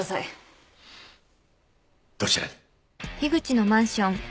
どちらに？